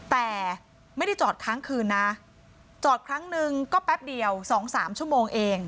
แต่ไม่ได้จอดค้างคืนนะจอดครั้งหนึ่งก็แป๊บเดียว๒๓ชั่วโมงเอง